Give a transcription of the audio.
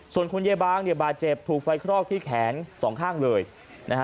ส่วนคุณยายบางเนี่ยบาดเจ็บถูกไฟคลอกที่แขนสองข้างเลยนะฮะ